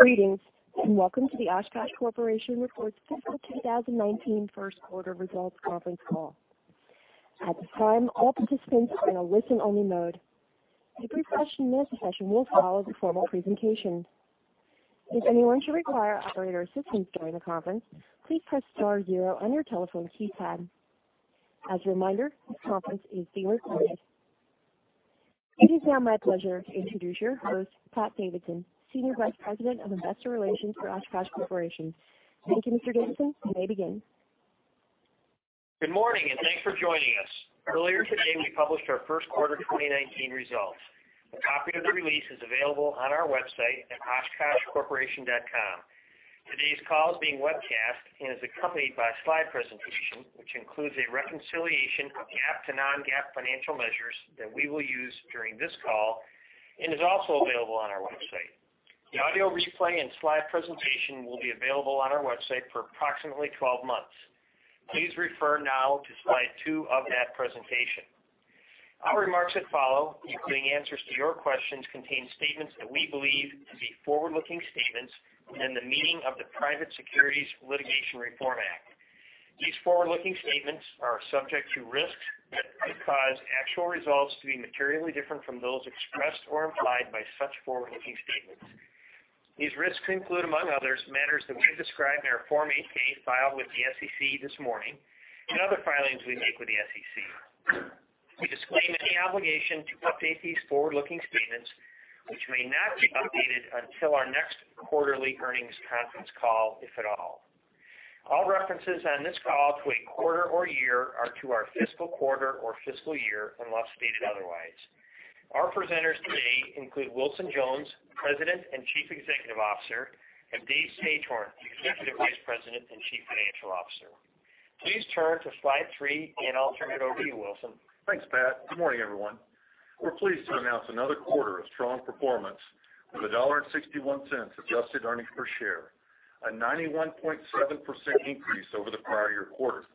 Greetings, and welcome to the Oshkosh Corporation's Fiscal 2019 First Quarter Results Conference Call. At this time, all participants are in a listen-only mode. A brief question and answer session will follow the formal presentation. If anyone should require operator assistance during the conference, please press star zero on your telephone keypad. As a reminder, this conference is being recorded. It is now my pleasure to introduce your host, Pat Davidson, Senior Vice President of Investor Relations for Oshkosh Corporation. Thank you, Mr. Davidson. You may begin. Good morning, and thanks for joining us. Earlier today, we published our first quarter 2019 results. A copy of the release is available on our website at oshkoshcorporation.com. Today's call is being webcast and is accompanied by a slide presentation, which includes a reconciliation of GAAP to non-GAAP financial measures that we will use during this call and is also available on our website. The audio replay and slide presentation will be available on our website for approximately 12 months. Please refer now to slide two of that presentation. Our remarks that follow, including answers to your questions, contain statements that we believe to be forward-looking statements within the meaning of the Private Securities Litigation Reform Act. These forward-looking statements are subject to risks that could cause actual results to be materially different from those expressed or implied by such forward-looking statements. These risks include, among others, matters that we describe in our Form 8-K filed with the SEC this morning and other filings we make with the SEC. We disclaim any obligation to update these forward-looking statements, which may not be updated until our next quarterly earnings conference call, if at all. All references on this call to a quarter or year are to our fiscal quarter or fiscal year, unless stated otherwise. Our presenters today include Wilson Jones, President and Chief Executive Officer, and Dave Sagehorn, Executive Vice President and Chief Financial Officer. Please turn to slide three, and I'll turn it over to you, Wilson. Thanks, Pat. Good morning, everyone. We're pleased to announce another quarter of strong performance with $1.61 adjusted earnings per share, a 91.7% increase over the prior year quarter.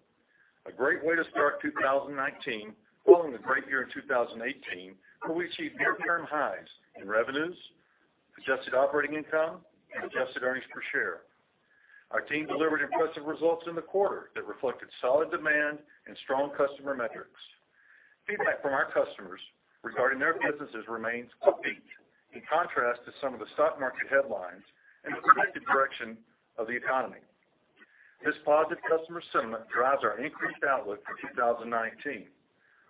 A great way to start 2019, following a great year in 2018, where we achieved near-term highs in revenues, adjusted operating income, and adjusted earnings per share. Our team delivered impressive results in the quarter that reflected solid demand and strong customer metrics. Feedback from our customers regarding their businesses remains upbeat, in contrast to some of the stock market headlines and the predicted direction of the economy. This positive customer sentiment drives our increased outlook for 2019,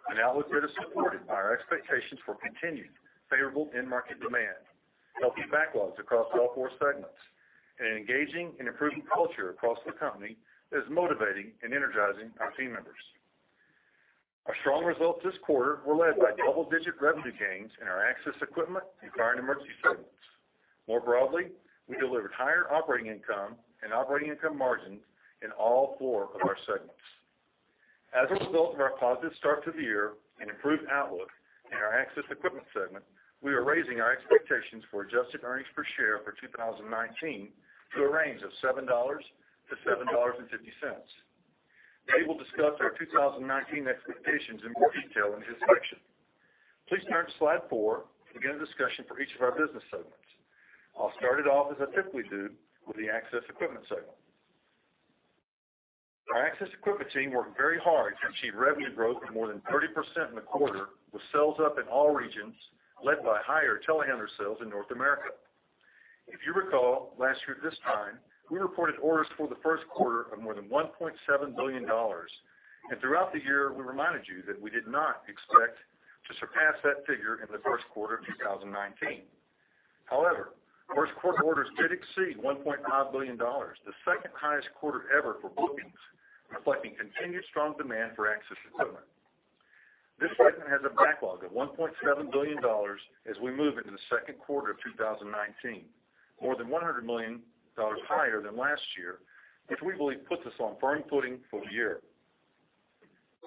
an outlook that is supported by our expectations for continued favorable end market demand, healthy backlogs across all four segments, and engaging in improving culture across the company that is motivating and energizing our team members. Our strong results this quarter were led by double-digit revenue gains in our Access Equipment and Fire & Emergency segments. More broadly, we delivered higher operating income and operating income margins in all four of our segments. As a result of our positive start to the year and improved outlook in our Access Equipment segment, we are raising our expectations for adjusted earnings per share for 2019 to a range of $7-$7.50. Dave will discuss our 2019 expectations in more detail in his section. Please turn to slide four to begin a discussion for each of our business segments. I'll start it off, as I typically do, with the Access Equipment segment. Our Access Equipment team worked very hard to achieve revenue growth of more than 30% in the quarter, with sales up in all regions, led by higher telehandler sales in North America. If you recall, last year at this time, we reported orders for the first quarter of more than $1.7 billion, and throughout the year, we reminded you that we did not expect to surpass that figure in the first quarter of 2019. However, first quarter orders did exceed $1.5 billion, the second-highest quarter ever for bookings, reflecting continued strong demand for Access Equipment. This segment has a backlog of $1.7 billion as we move into the second quarter of 2019, more than $100 million higher than last year, which we believe puts us on firm footing for the year.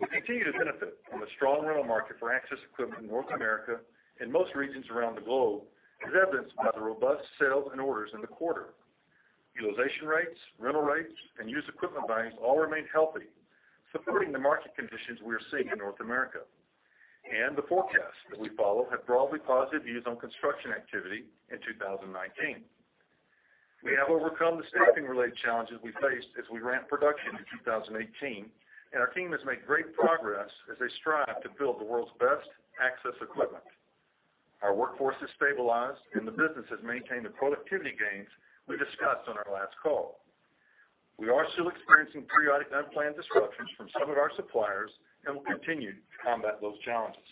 We continue to benefit from the strong rental market for Access Equipment in North America and most regions around the globe, as evidenced by the robust sales and orders in the quarter. Utilization rates, rental rates, and used equipment values all remain healthy, supporting the market conditions we are seeing in North America. The forecasts that we follow have broadly positive views on construction activity in 2019. We have overcome the staffing-related challenges we faced as we ramped production in 2018, and our team has made great progress as they strive to build the world's best Access Equipment. Our workforce has stabilized, and the business has maintained the productivity gains we discussed on our last call. We are still experiencing periodic unplanned disruptions from some of our suppliers and will continue to combat those challenges.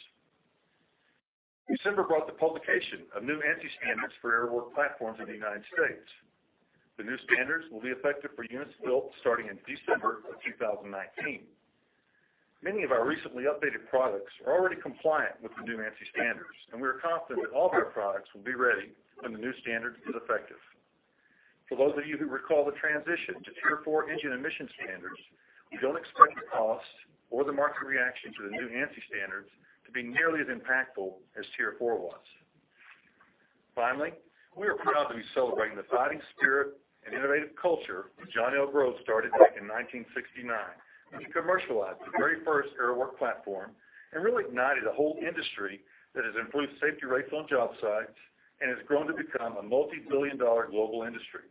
December brought the publication of new ANSI standards for aerial work platforms in the United States. The new standards will be effective for units built starting in December 2019. Many of our recently updated products are already compliant with the new ANSI standards, and we are confident that all of our products will be ready when the new standard is effective. For those of you who recall the transition to Tier 4 engine emission standards, we don't expect the costs or the market reaction to the new ANSI standards to be nearly as impactful as Tier 4 was. Finally, we are proud to be celebrating the fighting spirit innovative culture that John L. Grove started back in 1969. When he commercialized the very first aerial work platform and really ignited a whole industry that has improved safety rates on job sites and has grown to become a multi-billion-dollar global industry.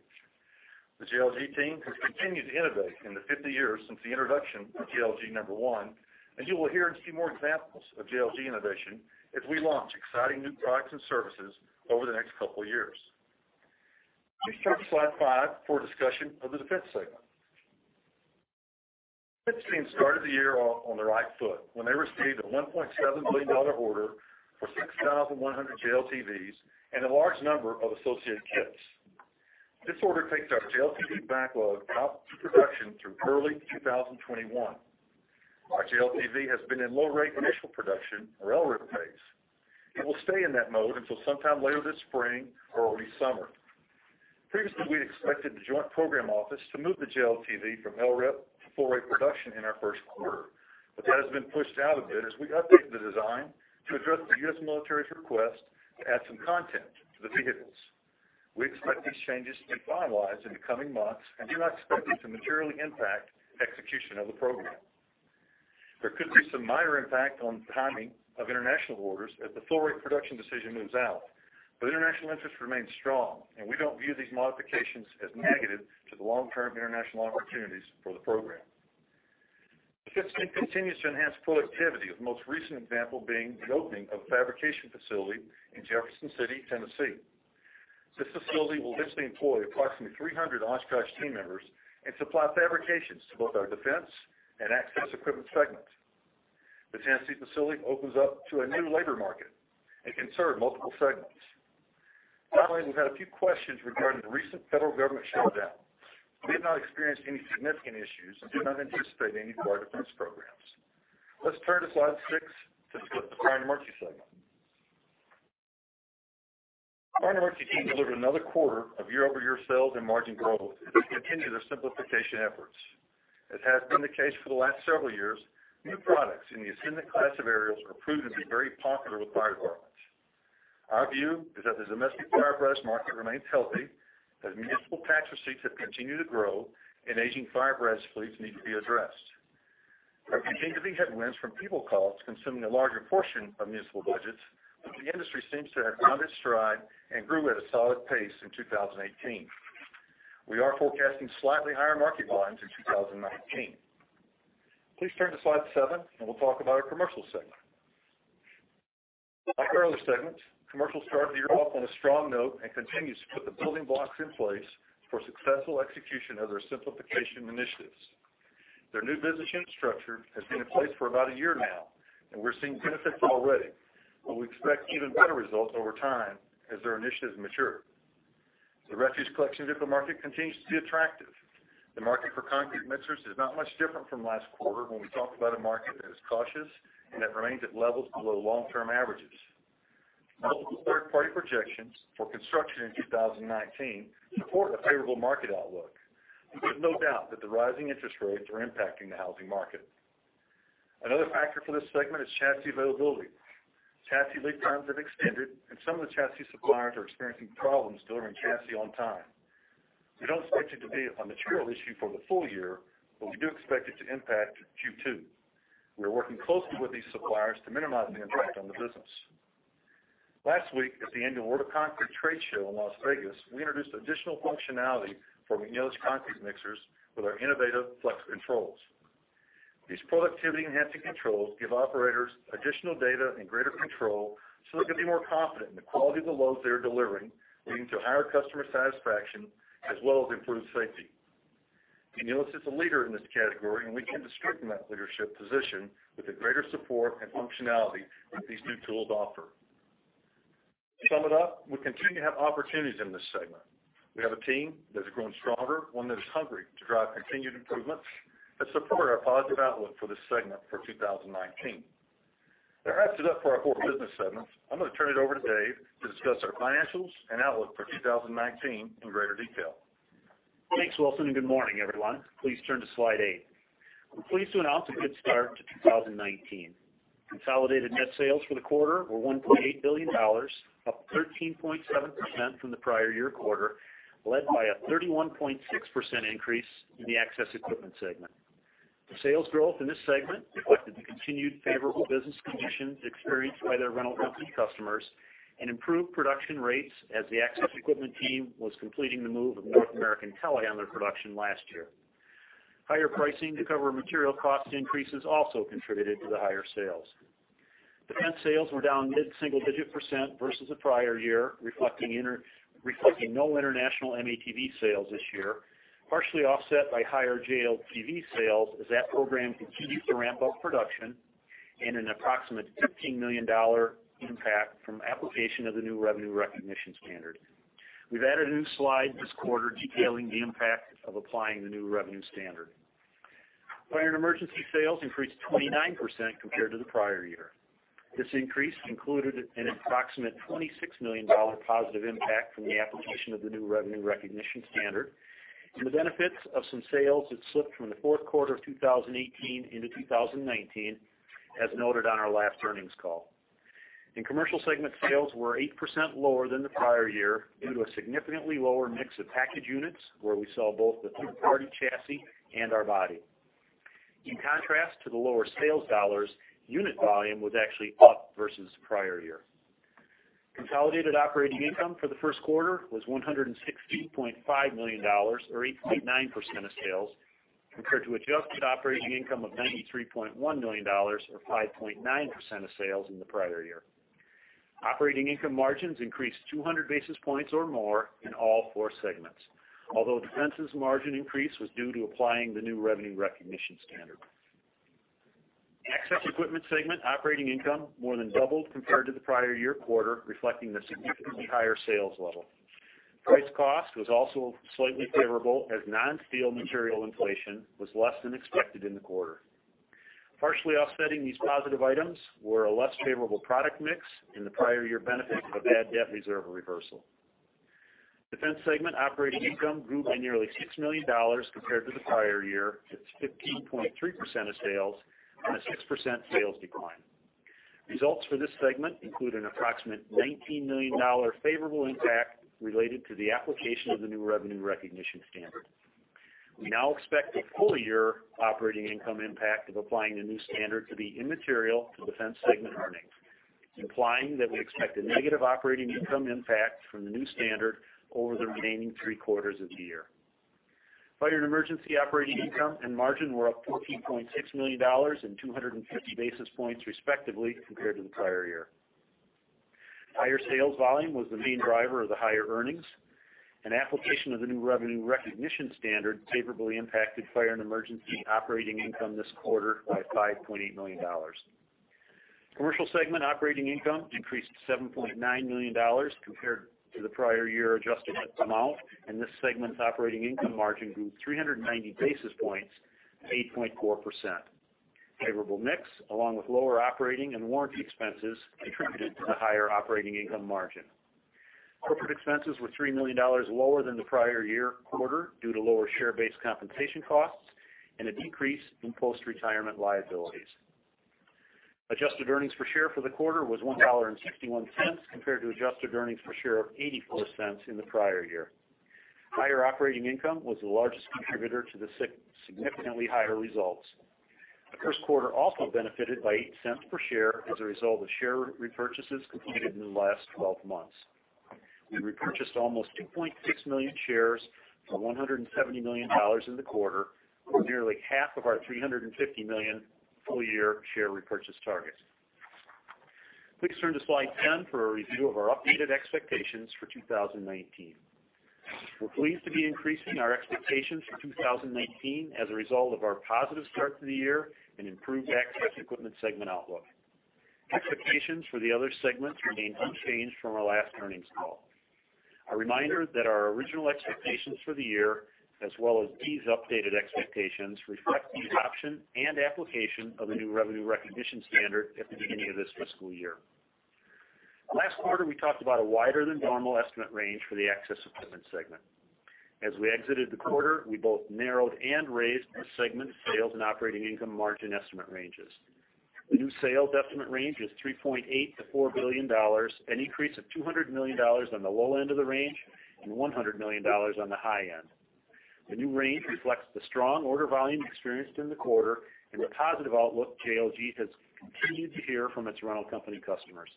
The JLG team has continued to innovate in the 50 years since the introduction of JLG Number One, and you will hear and see more examples of JLG innovation as we launch exciting new products and services over the next couple of years. Please turn to slide five for a discussion of the Defense segment. Defense team started the year off on the right foot when they received a $1.7 billion order for 6,100 JLTVs and a large number of associated kits. This order takes our JLTV backlog out to production through early 2021. Our JLTV has been in low rate initial production, or LRIP, phase. It will stay in that mode until sometime later this spring or early summer. Previously, we expected the Joint Program Office to move the JLTV from LRIP to full rate production in our first quarter, but that has been pushed out a bit as we updated the design to address the U.S. military's request to add some content to the vehicles. We expect these changes to be finalized in the coming months and do not expect it to materially impact execution of the program. There could be some minor impact on the timing of international orders as the full rate production decision moves out, but international interest remains strong, and we don't view these modifications as negative to the long-term international opportunities for the program. The Defense team continues to enhance productivity, with the most recent example being the opening of a fabrication facility in Jefferson City, Tennessee. This facility will eventually employ approximately 300 Oshkosh team members and supply fabrications to both our Defense and Access Equipment segments. The Tennessee facility opens up to a new labor market and can serve multiple segments. Finally, we've had a few questions regarding the recent federal government shutdown. We have not experienced any significant issues and do not anticipate any to our Defense programs. Let's turn to slide 6 to look at the Fire & Emergency segment. Fire & Emergency team delivered another quarter of year-over-year sales and margin growth as they continue their simplification efforts. As has been the case for the last several years, new products in the Ascendant class of aerials are proving to be very popular with fire departments. Our view is that the domestic fire apparatus market remains healthy, as municipal tax receipts have continued to grow and aging fire apparatus fleets need to be addressed. There continue to be headwinds from people costs consuming a larger portion of municipal budgets, but the industry seems to have found its stride and grew at a solid pace in 2018. We are forecasting slightly higher market volumes in 2019. Please turn to slide seven, and we'll talk about our Commercial segment. Like our other segments, Commercial started the year off on a strong note and continues to put the building blocks in place for successful execution of their simplification initiatives. Their new business unit structure has been in place for about a year now, and we're seeing benefits already, but we expect even better results over time as their initiatives mature. The refuse collection vehicle market continues to be attractive. The market for concrete mixers is not much different from last quarter, when we talked about a market that is cautious and that remains at levels below long-term averages. Multiple third-party projections for construction in 2019 support a favorable market outlook, but there's no doubt that the rising interest rates are impacting the housing market. Another factor for this segment is chassis availability. Chassis lead times have extended, and some of the chassis suppliers are experiencing problems delivering chassis on time. We don't expect it to be a material issue for the full year, but we do expect it to impact Q2. We are working closely with these suppliers to minimize the impact on the business. Last week, at the annual World of Concrete trade show in Las Vegas, we introduced additional functionality for McNeilus concrete mixers with our innovative Flex Controls. These productivity-enhancing controls give operators additional data and greater control, so they can be more confident in the quality of the loads they are delivering, leading to higher customer satisfaction as well as improved safety. McNeilus is a leader in this category, and we continue to strengthen that leadership position with the greater support and functionality that these new tools offer. To sum it up, we continue to have opportunities in this segment. We have a team that is growing stronger, one that is hungry to drive continued improvements, that support our positive outlook for this segment for 2019. That wraps it up for our four business segments. I'm going to turn it over to Dave to discuss our financials and outlook for 2019 in greater detail. Thanks, Wilson, and good morning, everyone. Please turn to slide 8. We're pleased to announce a good start to 2019. Consolidated net sales for the quarter were $1.8 billion, up 13.7% from the prior year quarter, led by a 31.6% increase in the Access Equipment segment. The sales growth in this segment reflected the continued favorable business conditions experienced by their rental fleet customers and improved production rates as the Access Equipment team was completing the move of North American telehandler production last year. Higher pricing to cover material cost increases also contributed to the higher sales. Defense sales were down mid-single-digit percent versus the prior year, reflecting reflecting no international M-ATV sales this year, partially offset by higher JLTV sales as that program continues to ramp up production and an approximate $15 million impact from application of the new revenue recognition standard. We've added a new slide this quarter detailing the impact of applying the new revenue standard. Fire & Emergency sales increased 29% compared to the prior year. This increase included an approximate $26 million positive impact from the application of the new revenue recognition standard, and the benefits of some sales that slipped from the fourth quarter of 2018 into 2019, as noted on our last earnings call. In Commercial segment, sales were 8% lower than the prior year due to a significantly lower mix of package units, where we sell both the third-party chassis and our body. In contrast to the lower sales dollars, unit volume was actually up versus the prior year. Consolidated operating income for the first quarter was $116.5 million, or 8.9% of sales, compared to adjusted operating income of $93.1 million, or 5.9% of sales in the prior year. Operating income margins increased 200 basis points or more in all four segments, although Defense's margin increase was due to applying the new revenue recognition standard. Access Equipment segment operating income more than doubled compared to the prior year quarter, reflecting the significantly higher sales level. Price-cost was also slightly favorable as non-steel material inflation was less than expected in the quarter. Partially offsetting these positive items were a less favorable product mix in the prior year benefit of a bad debt reserve reversal. Defense segment operating income grew by nearly $6 million compared to the prior year, to 15.3% of sales on a 6% sales decline. Results for this segment include an approximate $19 million favorable impact related to the application of the new revenue recognition standard. We now expect the full-year operating income impact of applying the new standard to be immaterial to Defense segment earnings, implying that we expect a negative operating income impact from the new standard over the remaining three quarters of the year. Fire & Emergency operating income and margin were up $14.6 million and 250 basis points, respectively, compared to the prior year. Higher sales volume was the main driver of the higher earnings, and application of the new revenue recognition standard favorably impacted Fire & Emergency operating income this quarter by $5.8 million. Commercial segment operating income increased to $7.9 million compared to the prior year adjusted amount, and this segment's operating income margin grew 390 basis points to 8.4%. Favorable mix, along with lower operating and warranty expenses, contributed to the higher operating income margin. Corporate expenses were $3 million lower than the prior year quarter due to lower share-based compensation costs and a decrease in post-retirement liabilities. Adjusted earnings per share for the quarter was $1.61, compared to adjusted earnings per share of $0.84 in the prior year. Higher operating income was the largest contributor to the significantly higher results. The first quarter also benefited by $0.08 per share as a result of share repurchases completed in the last twelve months. We repurchased almost 2.6 million shares for $170 million in the quarter, or nearly half of our $350 million full-year share repurchase target. Please turn to slide 10 for a review of our updated expectations for 2019. We're pleased to be increasing our expectations for 2019 as a result of our positive start to the year and improved Access Equipment segment outlook. Expectations for the other segments remain unchanged from our last earnings call. A reminder that our original expectations for the year, as well as these updated expectations, reflect the adoption and application of the new revenue recognition standard at the beginning of this fiscal year. Last quarter, we talked about a wider than normal estimate range for the Access Equipment segment. As we exited the quarter, we both narrowed and raised our segment sales and operating income margin estimate ranges. The new sales estimate range is $3.8 billion-$4 billion, an increase of $200 million on the low end of the range and $100 million on the high end. The new range reflects the strong order volume experienced in the quarter and the positive outlook JLG has continued to hear from its rental company customers.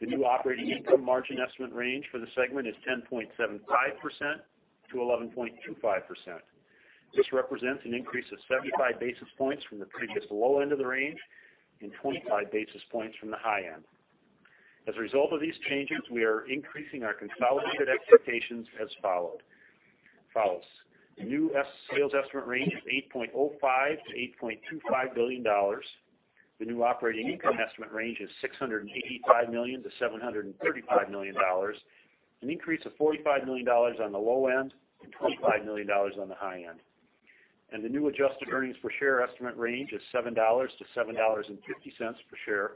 The new operating income margin estimate range for the segment is 10.75%-11.25%. This represents an increase of 75 basis points from the previous low end of the range and 25 basis points from the high end. As a result of these changes, we are increasing our consolidated expectations as followed, follows: the new sales estimate range is $8.05 billion-$8.25 billion. The new operating income estimate range is $685 million-$735 million, an increase of $45 million on the low end and $25 million on the high end. The new adjusted earnings per share estimate range is $7 to $7.50 per share,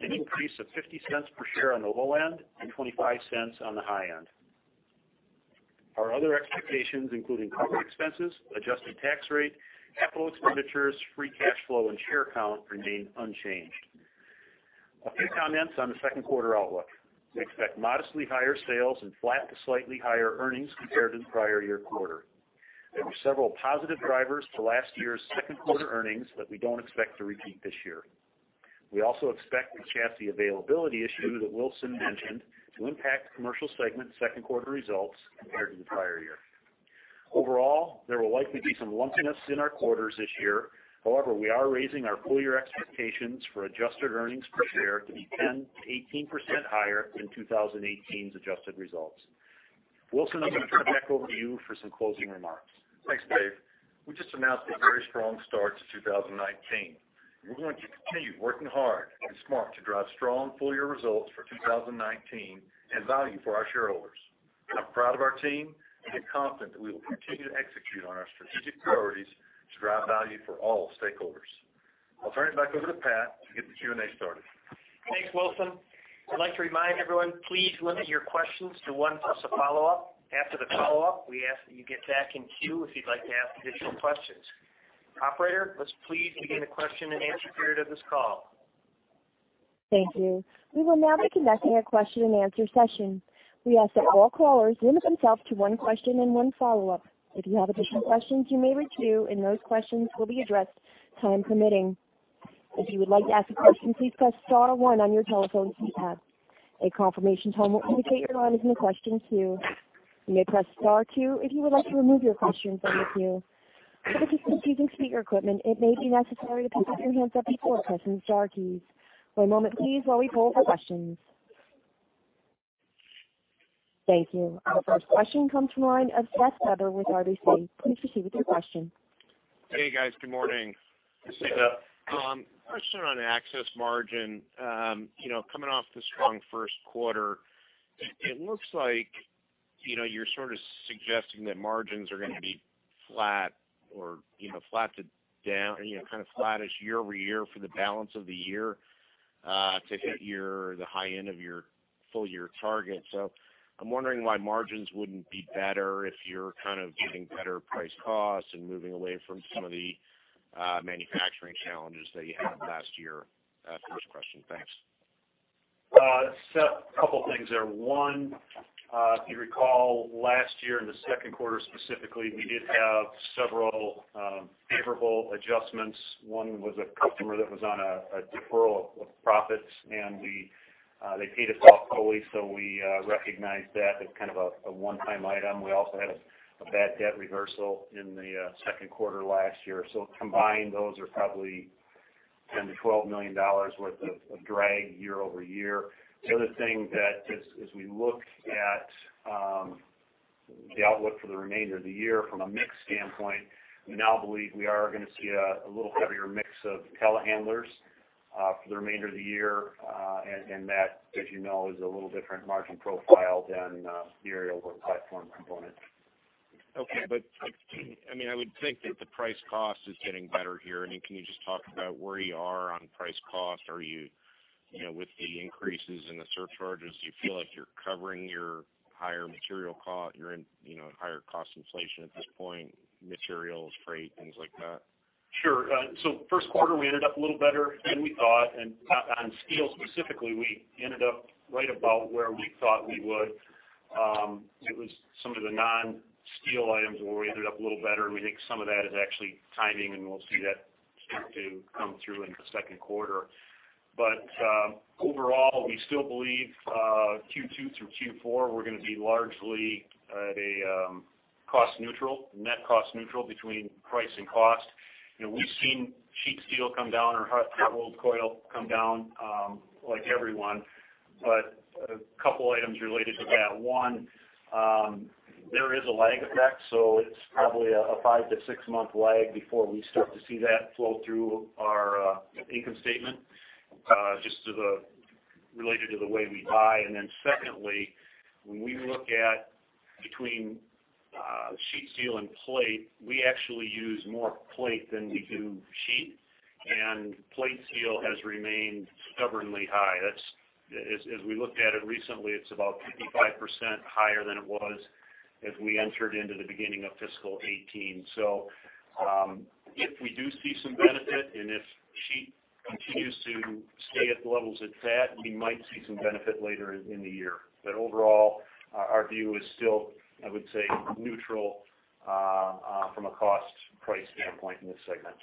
an increase of $0.50 per share on the low end and $0.25 on the high end. Our other expectations, including corporate expenses, adjusted tax rate, capital expenditures, free cash flow, and share count, remain unchanged. A few comments on the second quarter outlook. We expect modestly higher sales and flat to slightly higher earnings compared to the prior year quarter. There were several positive drivers to last year's second quarter earnings that we don't expect to repeat this year. We also expect the chassis availability issue that Wilson mentioned to impact Commercial segment second quarter results compared to the prior year. Overall, there will likely be some lumpiness in our quarters this year. However, we are raising our full year expectations for adjusted earnings per share to be 10%-18% higher than 2018's adjusted results. Wilson, I'm going to turn it back over to you for some closing remarks. Thanks, Dave. We just announced a very strong start to 2019. We're going to continue working hard and smart to drive strong full year results for 2019 and value for our shareholders. I'm proud of our team and am confident that we will continue to execute on our strategic priorities to drive value for all stakeholders. I'll turn it back over to Pat to get the Q&A started. Thanks, Wilson. I'd like to remind everyone, please limit your questions to one plus a follow-up. After the follow-up, we ask that you get back in queue if you'd like to ask additional questions.... Operator, let's please begin the question-and-answer period of this call. Thank you. We will now be conducting a question-and-answer session. We ask that all callers limit themselves to one question and one follow-up. If you have additional questions, you may redo, and those questions will be addressed, time permitting. If you would like to ask a question, please press star one on your telephone keypad. A confirmation tone will indicate your line is in the question queue. You may press star two if you would like to remove your question from the queue. For those of you using speaker equipment, it may be necessary to pick up your handset before pressing the star keys. One moment please, while we pull for questions. Thank you. Our first question comes from the line of Seth Weber with RBC. Please proceed with your question. Hey, guys, good morning. This is a question on Access margin. You know, coming off the strong first quarter, it looks like, you know, you're sort of suggesting that margins are gonna be flat or, you know, flat to down, you know, kind of flattish year-over-year for the balance of the year to hit the high end of your full-year target. So I'm wondering why margins wouldn't be better if you're kind of getting better price-cost and moving away from some of the manufacturing challenges that you had last year? First question. Thanks. Seth, a couple of things there. One, if you recall, last year, in the second quarter specifically, we did have several favorable adjustments. One was a customer that was on a deferral of profits, and they paid us off fully, so we recognized that as kind of a one-time item. We also had a bad debt reversal in the second quarter last year. So combined, those are probably $10 million-$12 million worth of drag year-over-year. The other thing that as we look at the outlook for the remainder of the year from a mix standpoint, we now believe we are gonna see a little heavier mix of telehandlers for the remainder of the year. That, as you know, is a little different margin profile than the aerial work platform component. Okay. But I mean, I would think that the price cost is getting better here. I mean, can you just talk about where you are on price cost? Are you, you know, with the increases in the surcharges, do you feel like you're covering your higher material cost, your, you know, higher cost inflation at this point, materials, freight, things like that? Sure. So first quarter, we ended up a little better than we thought. And on steel specifically, we ended up right about where we thought we would. It was some of the non-steel items where we ended up a little better, and we think some of that is actually timing, and we'll see that start to come through in the second quarter. But overall, we still believe Q2 through Q4, we're gonna be largely at a cost neutral, net cost neutral between price and cost. You know, we've seen sheet steel come down or hot rolled coil come down, like everyone. But a couple items related to that. One, there is a lag effect, so it's probably a five to six month lag before we start to see that flow through our income statement, just to the related to the way we buy. And then secondly, when we look at between sheet steel and plate, we actually use more plate than we do sheet, and plate steel has remained stubbornly high. That's as we looked at it recently, it's about 55% higher than it was as we entered into the beginning of fiscal 2018. So, if we do see some benefit and if sheet continues to stay at the levels it's at, we might see some benefit later in the year. But overall, our view is still, I would say, neutral from a cost-price standpoint in this segment.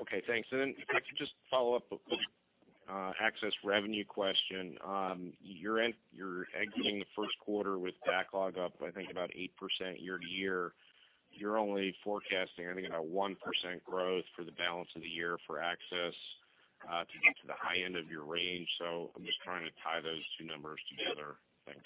Okay, thanks. And then if I could just follow up with, Access revenue question. You're exiting the first quarter with backlog up, I think, about 8% year-over-year. You're only forecasting, I think, about 1% growth for the balance of the year for Access, to get to the high end of your range. So I'm just trying to tie those two numbers together. Thanks.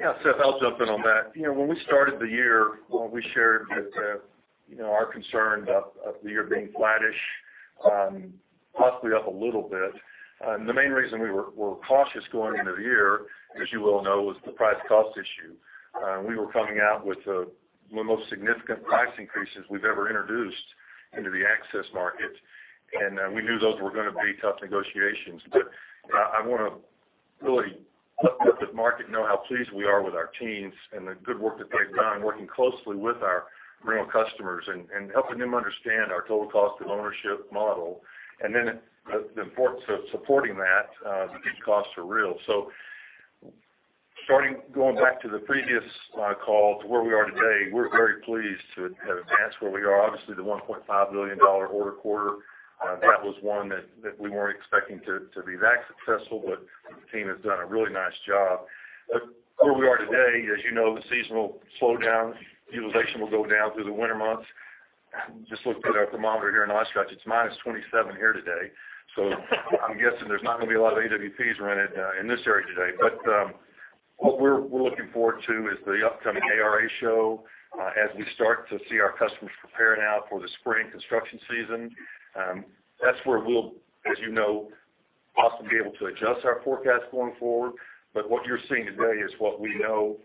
Yeah, Seth, I'll jump in on that. You know, when we started the year, we shared that, you know, our concern about the year being flattish, possibly up a little bit. And the main reason we were cautious going into the year, as you well know, was the price-cost issue. We were coming out with one of the most significant price increases we've ever introduced into the Access market, and we knew those were gonna be tough negotiations. But I want to really let the market know how pleased we are with our teams and the good work that they've done, working closely with our rental customers and helping them understand our total cost of ownership model, and then the importance of supporting that, these costs are real. So starting, going back to the previous call to where we are today, we're very pleased to have advanced where we are. Obviously, the $1.5 billion order quarter that was one that we weren't expecting to be that successful, but the team has done a really nice job. But where we are today, as you know, the seasonal slowdown, utilization will go down through the winter months. Just looked at our thermometer here in Oshkosh, it's -27 degrees Fahrenheit here today, so I'm guessing there's not gonna be a lot of AWPs rented in this area today. But what we're looking forward to is the upcoming ARA show as we start to see our customers preparing now for the spring construction season. That's where we'll, as you know, possibly be able to adjust our forecast going forward. But what you're seeing today is what we know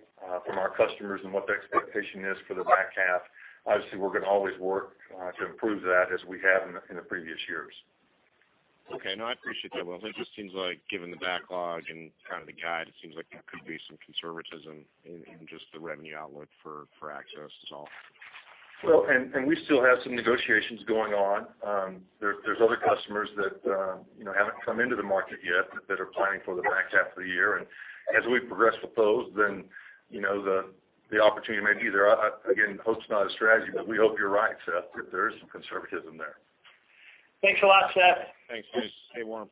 from our customers and what the expectation is for the back half. Obviously, we're gonna always work to improve that as we have in the previous years. Okay, no, I appreciate that, Will. It just seems like given the backlog and kind of the guide, it seems like there could be some conservatism in just the revenue outlook for Access, is all. Well, and we still have some negotiations going on. There, there's other customers that, you know, haven't come into the market yet, that are planning for the back half of the year. And as we progress with those, then, you know, the opportunity may be there. Again, hope's not a strategy, but we hope you're right, Seth, that there is some conservatism there. Thanks a lot, Seth. Thanks, Seth. Stay warm.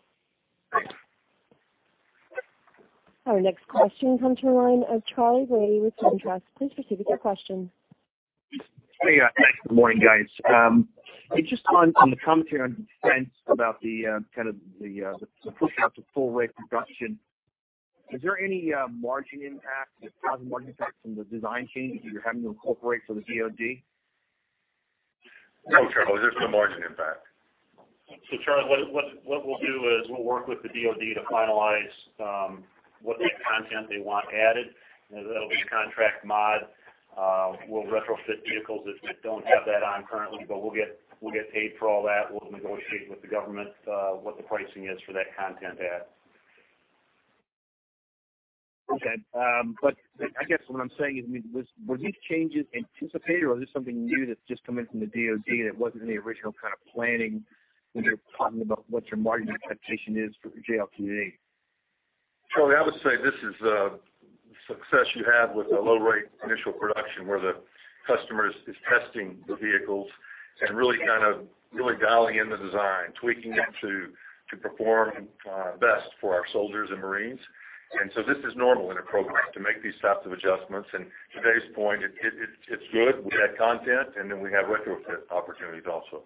Our next question comes from the line of Charley Brady with SunTrust. Please proceed with your question. Hey, thanks. Good morning, guys. Just on the commentary on Defense about the kind of push out to full rate production, is there any margin impact, positive margin impact from the design changes that you're having to incorporate for the DOD? No, Charley, there's no margin impact. So Charlie, what we'll do is we'll work with the DOD to finalize what new content they want added. That'll be a contract mod. We'll retrofit vehicles if they don't have that on currently, but we'll get paid for all that. We'll negotiate with the government what the pricing is for that content add. Okay. But I guess what I'm saying is, I mean, was, were these changes anticipated or is this something new that's just coming from the DOD that wasn't in the original kind of planning when you're talking about what your margin expectation is for JLTV? Charlie, I would say this is a success you have with a Low Rate Initial Production, where the customer is testing the vehicles and really kind of really dialing in the design, tweaking it to perform best for our soldiers and marines. And so this is normal in a program to make these types of adjustments. And to Dave's point, it, it's good. We add content, and then we have retrofit opportunities also.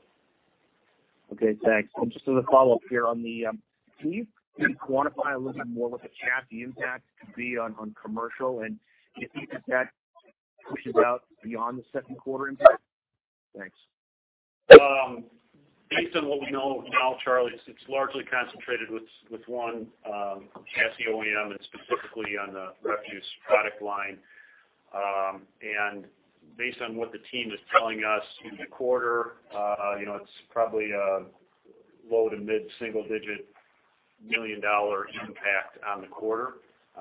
Okay, thanks. And just as a follow-up here on the, can you quantify a little bit more what the chassis impact could be on, on commercial, and if, if that pushes out beyond the second quarter impact? Thanks. Based on what we know now, Charlie, it's largely concentrated with one chassis OEM, and specifically on the Refuse product line. Based on what the team is telling us, in the quarter, you know, it's probably a low- to mid-single-digit million dollar impact on the quarter.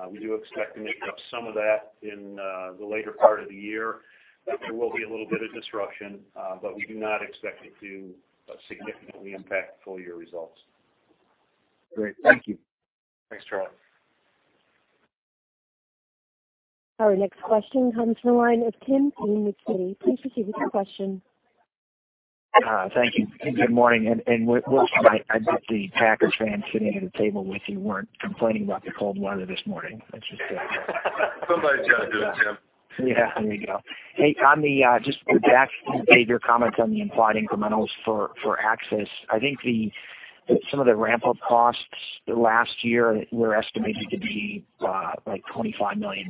We do expect to make up some of that in the later part of the year. There will be a little bit of disruption, but we do not expect it to significantly impact full year results. Great. Thank you. Thanks, Charlie. Our next question comes from the line of Thein Timothy with Citi. Please proceed with your question. Thank you. Good morning, and we'll bet the Packers fans sitting at a table with you weren't complaining about the cold weather this morning. Somebody's got to do it, Tim. Yeah, there you go. Hey, on the, just back, Dave, your comments on the implied incrementals for Access, I think the, some of the ramp-up costs last year were estimated to be, like $25 million.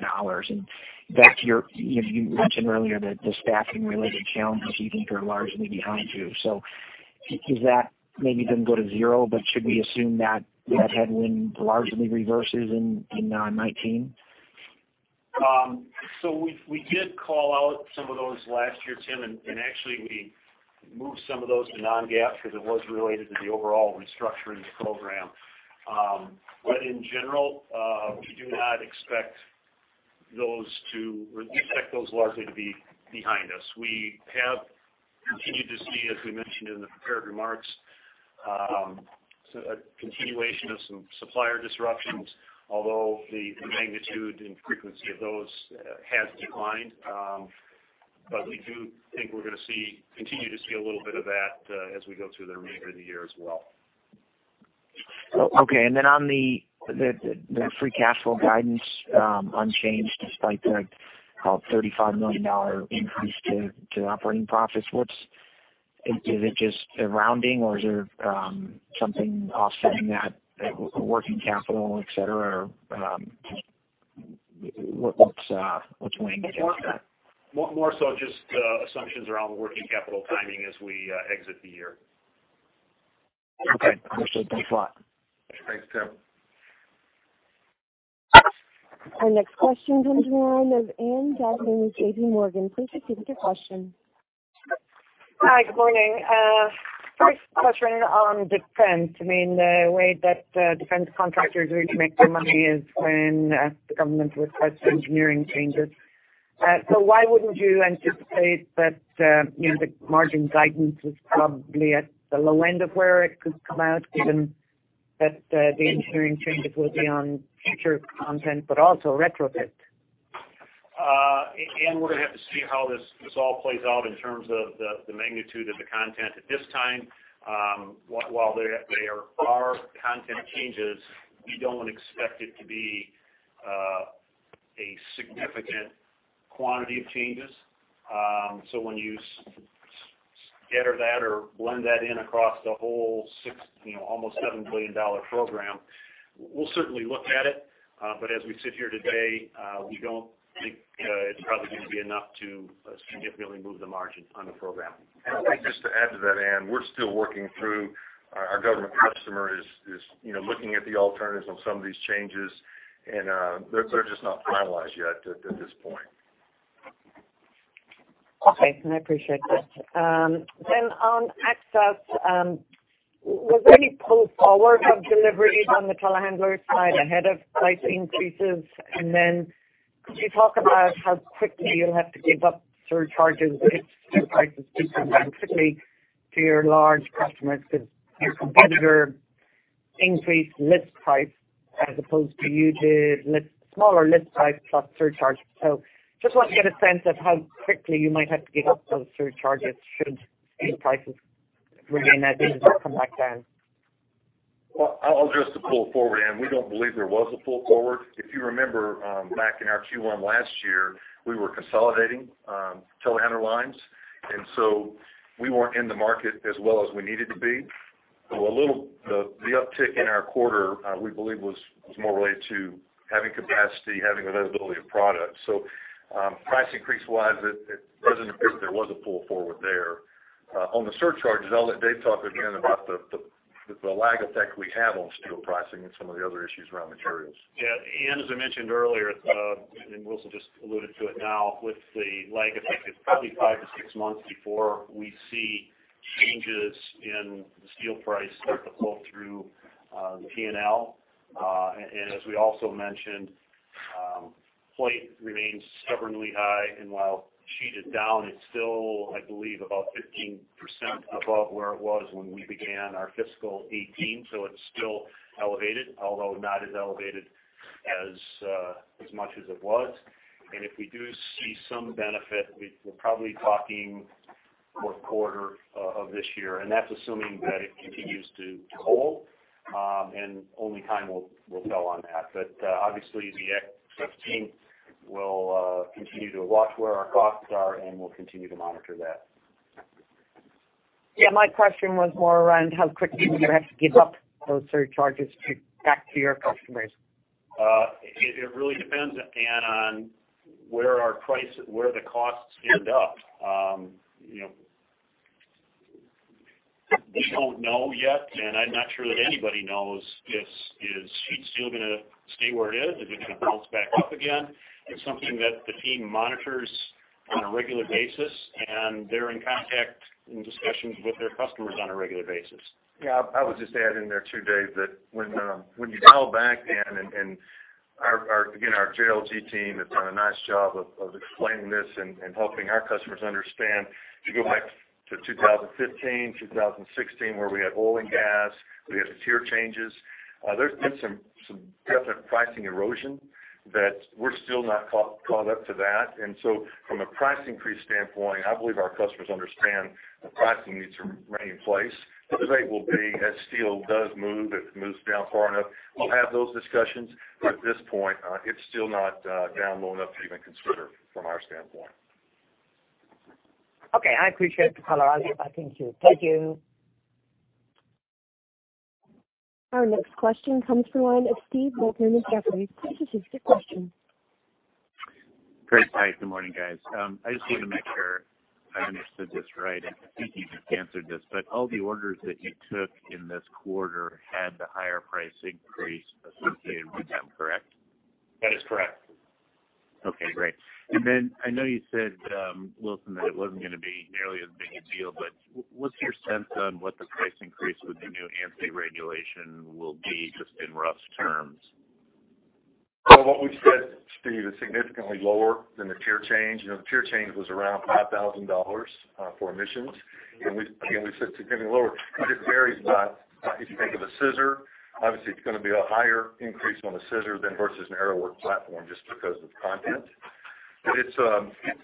And back to your, you know, you mentioned earlier that the staffing-related challenges you think are largely behind you. So is that maybe didn't go to zero, but should we assume that that headwind largely reverses in, in, 2019? So we did call out some of those last year, Tim, and actually we moved some of those to non-GAAP because it was related to the overall restructuring program. But in general, we do not expect those to. We expect those largely to be behind us. We have continued to see, as we mentioned in the prepared remarks, a continuation of some supplier disruptions, although the magnitude and frequency of those has declined. But we do think we're going to see, continue to see a little bit of that, as we go through the remainder of the year as well. Okay. And then on the free cash flow guidance, unchanged despite the $35 million increase to operating profits. Is it just a rounding or is there something offsetting that, working capital, et cetera? Or, what's weighing against that? More so just assumptions around the working capital timing as we exit the year. Okay. Appreciate it. Thanks a lot. Thanks, Tim. Our next question comes from the line of Ann Duignan with JPMorgan. Please proceed with your question. Hi, good morning. First question on Defense. I mean, the way that Defense contractors are going to make their money is when the government requests engineering changes. So why wouldn't you anticipate that, you know, the margin guidance is probably at the low end of where it could come out, given that the engineering changes will be on future content, but also retrofit? Ann, we're going to have to see how this all plays out in terms of the magnitude of the content at this time. While there are content changes, we don't expect it to be a significant quantity of changes. So when you scatter that or blend that in across the whole $6, you know, almost $7 billion-dollar program, we'll certainly look at it. But as we sit here today, we don't think it's probably going to be enough to significantly move the margin on the program. I think just to add to that, Ann, we're still working through our government customer is, you know, looking at the alternatives on some of these changes, and they're just not finalized yet at this point. Okay, I appreciate that. Then on Access, was any pull forward of deliveries on the telehandler side ahead of price increases? Then could you talk about how quickly you'll have to give up surcharges if steel prices decrease quickly to your large customers? Because your competitor increased list price as opposed to you did smaller list price plus surcharge. Just want to get a sense of how quickly you might have to give up those surcharges should steel prices regain that business come back down. Well, I'll address the pull forward, Ann. We don't believe there was a pull forward. If you remember, back in our Q1 last year, we were consolidating telehandler lines, and so we weren't in the market as well as we needed to be. So the uptick in our quarter, we believe was more related to having capacity, having availability of product. So, price increase wise, it doesn't appear there was a pull forward there. On the surcharges, I'll let Dave talk again about the lag effect we have on steel pricing and some of the other issues around materials. Yeah, Ann, as I mentioned earlier, and Wilson just alluded to it now, with the lag effect, it's probably five to six months before we see changes in the steel price start to pull through the P&L. And as we also mentioned, plate remains stubbornly high, and while sheet is down, it's still, I believe, about 15% above where it was when we began our fiscal 2018. So it's still elevated, although not as elevated as much as it was. And if we do see some benefit, we're probably talking fourth quarter of this year, and that's assuming that it continues to hold. And only time will tell on that. But obviously, the Access team will continue to watch where our costs are, and we'll continue to monitor that. Yeah, my question was more around how quickly you have to give up those surcharges back to your customers. It really depends, Ann, on where our price, where the costs end up. You know, we don't know yet, and I'm not sure that anybody knows if the sheet steel is gonna stay where it is? Is it gonna bounce back up again? It's something that the team monitors on a regular basis, and they're in contact, in discussions with their customers on a regular basis. Yeah, I would just add in there, too, Dave, that when you dial back in and our JLG team has done a nice job of explaining this and helping our customers understand. If you go back to 2015, 2016, where we had oil and gas, we had the tier changes, there's been some definite pricing erosion that we're still not caught up to that. And so from a price increase standpoint, I believe our customers understand the pricing needs to remain in place. But they will be, as steel does move, if it moves down far enough, we'll have those discussions, but at this point, it's still not down low enough to even consider from our standpoint. Okay, I appreciate the color. I'll get back to you. Thank you. Our next question comes from the line of Stephen Volkmann with Jefferies. Please proceed with your question. Great. Hi, good morning, guys. I just want to make sure I understood this right, and I think you've answered this, but all the orders that you took in this quarter had the higher price increase associated with them, correct? That is correct. Okay, great. And then I know you said, Wilson, that it wasn't going to be nearly as big a deal, but what's your sense on what the price increase with the new ANSI regulation will be, just in rough terms? Well, what we've said, Steve, is significantly lower than the tier change. You know, the tier change was around $5,000 for emissions. And we've, again, we said significantly lower. It just varies by, if you think of a scissor, obviously, it's gonna be a higher increase on a scissor than versus an aerial work platform just because of content. But it's,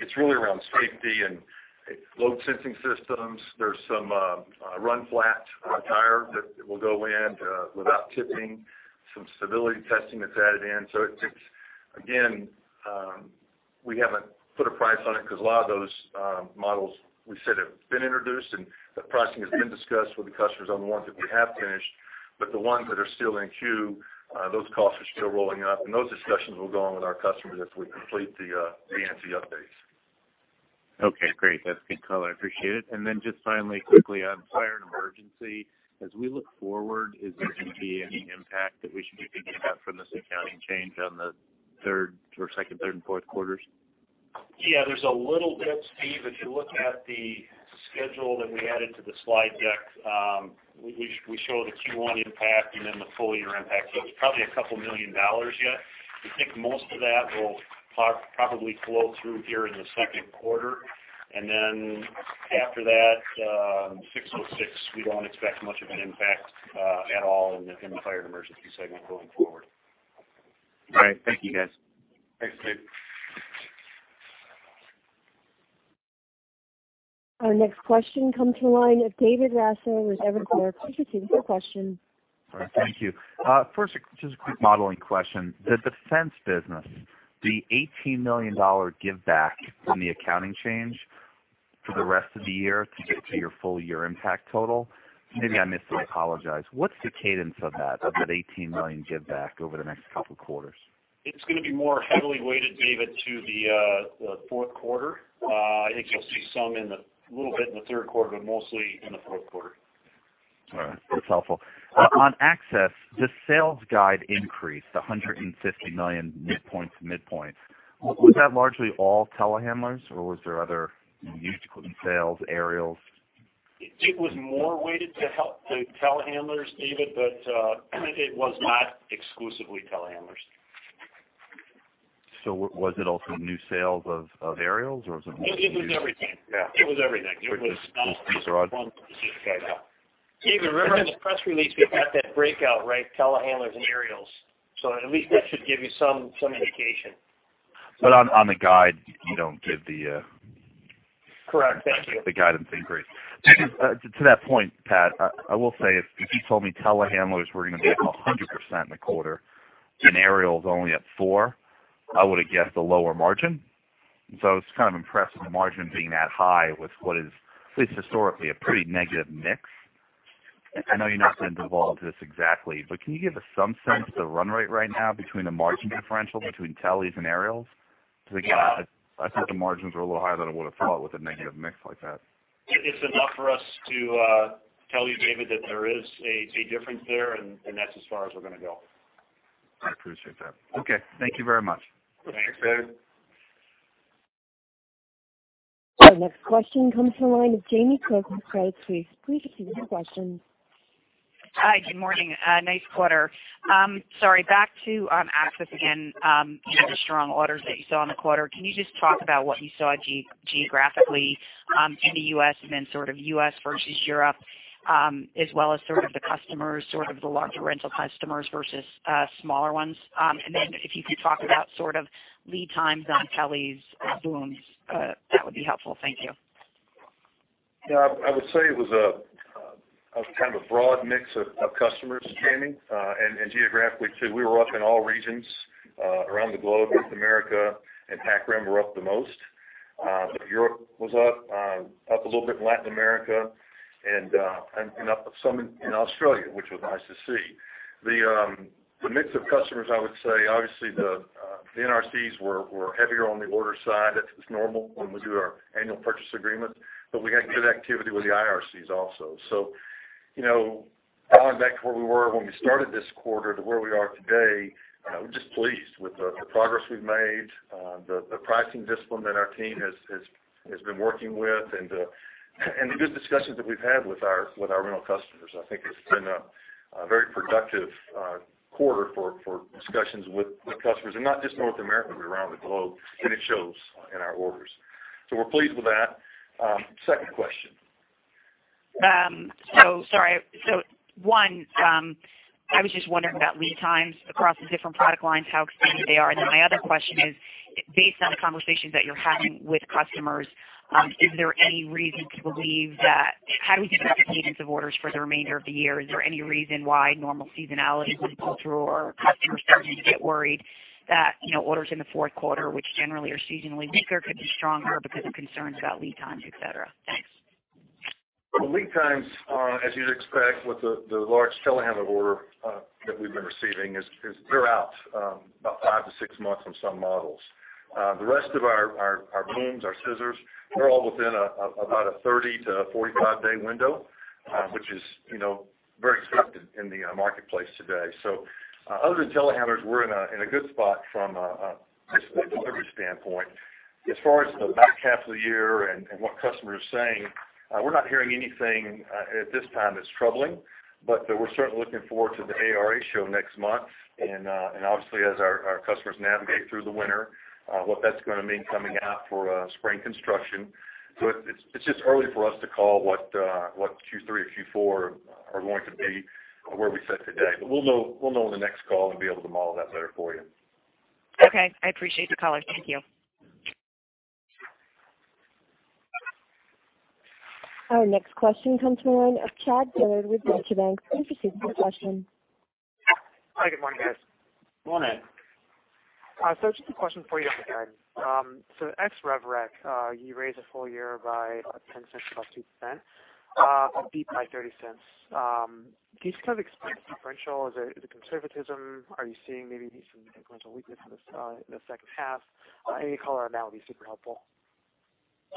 it's really around safety and load sensing systems. There's some run flat tire that will go in without tipping, some stability testing that's added in. So it takes, again, we haven't put a price on it because a lot of those models we said have been introduced, and the pricing has been discussed with the customers on the ones that we have finished. But the ones that are still in queue, those costs are still rolling out, and those discussions will go on with our customers as we complete the ANSI updates. Okay, great. That's good color. I appreciate it. Then just finally, quickly on Fire & Emergency. As we look forward, is there going to be any impact that we should be picking up from this accounting change on the third or second, third, and fourth quarters? Yeah, there's a little bit, Steve. If you look at the schedule that we added to the slide deck, we show the Q1 impact and then the full year impact. So it's probably a couple million dollars yet. We think most of that will probably flow through here in the second quarter. And then after that, 606, we don't expect much of an impact at all in the Fire & Emergency segment going forward. All right. Thank you, guys. Thanks, Stephen. Our next question comes to the line of David Raso with Evercore. Please proceed with your question. All right. Thank you. First, just a quick modeling question. The Defense business, the $18 million giveback from the accounting change for the rest of the year to get to your full-year impact total. Maybe I missed it, I apologize. What's the cadence of that, of that $18 million giveback over the next couple of quarters? It's gonna be more heavily weighted, David, to the fourth quarter. I think you'll see some, a little bit in the third quarter, but mostly in the fourth quarter. All right, that's helpful. On Access, the sales guide increased $150 million midpoints. Was that largely all telehandlers, or was there other new sales, aerials? It was more weighted to help the telehandlers, David, but it was not exclusively telehandlers. So was it also new sales of, of aerials, or was it? It was everything. It was everything. Just, just broad? Yeah. David, remember in the press release, we had that breakout, right? Telehandlers and aerials. So at least that should give you some indication. But on the guide, you don't give the Correct. The guidance increase. To that point, Pat, I will say, if you told me telehandlers were going to be up 100% in the quarter and aerials only at 4%, I would have guessed a lower margin. So I was kind of impressed with the margin being that high with what is, at least historically, a pretty negative mix. I know you're not going to divulge this exactly, but can you give us some sense of the run rate right now between the margin differential between teles and aerials? Because again, I thought the margins were a little higher than I would have thought with a negative mix like that. It's enough for us to tell you, David, that there is a difference there, and that's as far as we're going to go. I appreciate that. Okay, thank you very much. Thanks, David. Our next question comes from the line of Jamie Cook with Credit Suisse. Please proceed with your question. Hi, good morning. Nice quarter. Sorry, back to Access again, you know, the strong orders that you saw in the quarter. Can you just talk about what you saw geographically in the U.S. and then sort of U.S. versus Europe, as well as sort of the customers, sort of the larger rental customers versus smaller ones? And then if you could talk about sort of lead times on teles, booms, that would be helpful. Thank you. Yeah, I would say it was a kind of a broad mix of customers, Jamie, and geographically, too. We were up in all regions around the globe. North America and Pacific Rim were up the most. But Europe was up a little bit in Latin America and up some in Australia, which was nice to see. The mix of customers, I would say, obviously, the NRCs were heavier on the order side. That's normal when we do our annual purchase agreement, but we had good activity with the IRCs also. So, you know, going back to where we were when we started this quarter to where we are today, we're just pleased with the progress we've made, the pricing discipline that our team has been working with, and the good discussions that we've had with our rental customers. I think it's been a very productive quarter for discussions with customers, and not just North America, but around the globe, and it shows in our orders. So we're pleased with that. Second question? So sorry. So one, I was just wondering about lead times across the different product lines, how extended they are. And then my other question is, based on the conversations that you're having with customers, is there any reason to believe that, how do you see the cadence of orders for the remainder of the year? Is there any reason why normal seasonality would pull through, or are customers starting to get worried that, you know, orders in the fourth quarter, which generally are seasonally weaker, could be stronger because of concerns about lead times, et cetera? Thanks. The lead times, as you'd expect with the large telehandler order that we've been receiving, is they're out about 5-6 months on some models. The rest of our booms, our scissors, they're all within about a 30-45-day window, which is, you know, very expected in the marketplace today. So, other than telehandlers, we're in a good spot from a delivery standpoint. As far as the back half of the year and what customers are saying, we're not hearing anything at this time that's troubling. But we're certainly looking forward to the ARA show next month, and obviously, as our customers navigate through the winter, what that's going to mean coming out for spring construction. It's, it's just early for us to call what, what Q3 or Q4 are going to be where we sit today. But we'll know, we'll know in the next call and be able to model that better for you. Okay, I appreciate the color. Thank you. Our next question comes from the line of Chad Dillard with Deutsche Bank. Please proceed with your question. Hi, good morning, guys. Morning. So, just a question for you, again. So ex-rev rec, you raised the full year by $0.10, about 2%, and beat by $0.30. Can you just kind of explain the differential? Is it the conservatism? Are you seeing maybe some incremental weakness in the second half? Any color on that would be super helpful.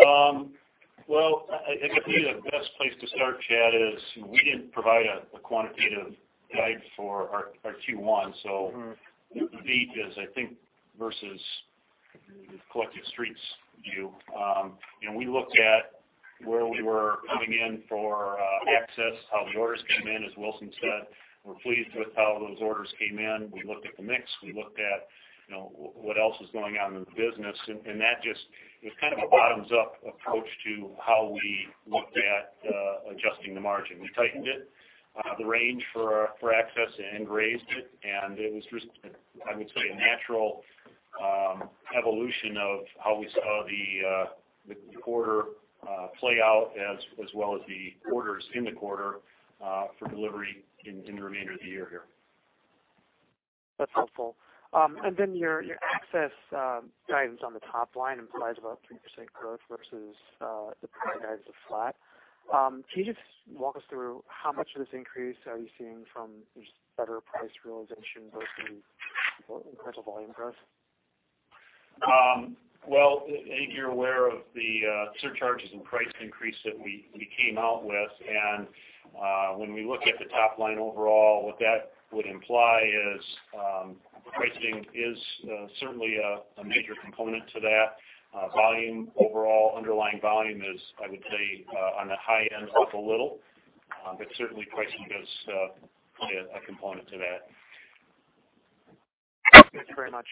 Well, I believe the best place to start, Chad, is we didn't provide a quantitative guide for our Q1. So the beat is, I think, versus the collective Street's view. And we looked at where we were coming in for Access, how the orders came in, as Wilson said. We're pleased with how those orders came in. We looked at the mix, we looked at, you know, what else is going on in the business, and, and that just was kind of a bottoms-up approach to how we looked at adjusting the margin. We tightened it, the range for Access and raised it, and it was just, I would say, a natural evolution of how we saw the quarter play out, as well as the orders in the quarter for delivery in the remainder of the year here. That's helpful. And then your Access guidance on the top line implies about 3% growth versus the previous year was flat. Can you just walk us through how much of this increase are you seeing from just better price realization versus incremental volume growth? Well, I think you're aware of the surcharges and price increase that we came out with. When we look at the top line overall, what that would imply is pricing is certainly a major component to that. Volume overall, underlying volume is, I would say, on the high end up a little. But certainly pricing is a component to that. Thanks very much.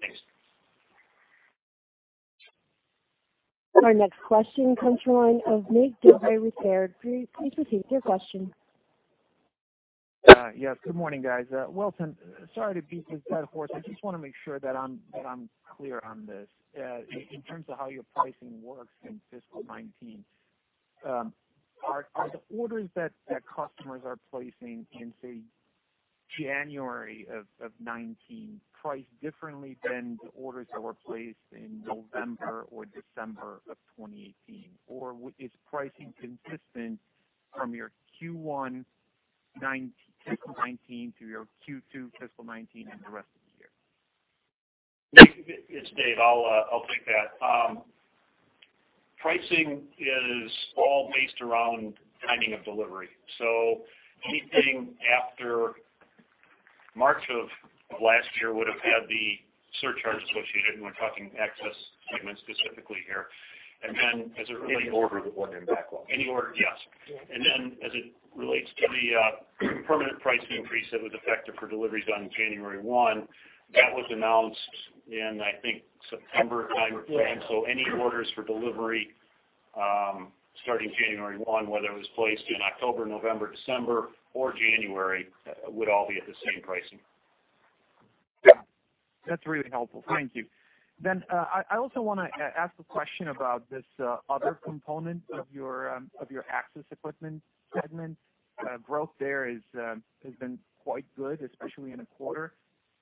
Thanks. Our next question comes from the line of Mig Dobre with Baird. Please proceed with your question. Yes, good morning, guys. Wilson, sorry to beat this dead horse. I just want to make sure that I'm, that I'm clear on this. In terms of how your pricing works in fiscal 2019, are, are the orders that, that customers are placing in, say, January of, of 2019 priced differently than the orders that were placed in November or December of 2018? Or is pricing consistent from your Q1 fiscal 2019 to your Q2 fiscal 2019 and the rest of the year? It's Dave. I'll take that. Pricing is all based around timing of delivery. So anything after March of last year would have had the surcharge associated, and we're talking Access segment specifically here. And then as it relates- Any order or the backlog. Any order, yes. And then as it relates to the permanent price increase that was effective for deliveries on January one, that was announced in, I think, September timeframe. So any orders for delivery starting January one, whether it was placed in October, November, December or January, would all be at the same pricing. That's really helpful. Thank you. Then, I also want to ask a question about this other component of your Access Equipment segment. Growth there has been quite good, especially in a quarter.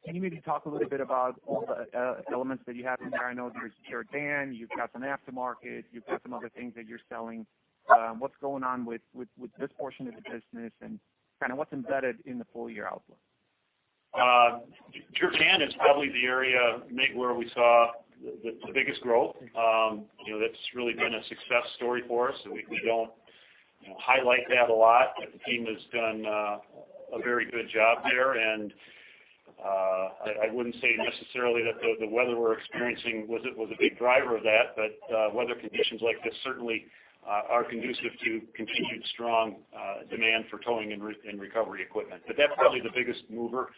Can you maybe talk a little bit about all the elements that you have in there? I know there's Jerr-Dan, you've got some aftermarket, you've got some other things that you're selling. What's going on with this portion of the business, and kind of what's embedded in the full year outlook? Jerr-Dan is probably the area, Mig, where we saw the biggest growth. You know, that's really been a success story for us, and we don't, you know, highlight that a lot. But the team has done a very good job there. And I wouldn't say necessarily that the weather we're experiencing was a big driver of that, but weather conditions like this certainly are conducive to continued strong demand for towing and recovery equipment. But that's probably the biggest mover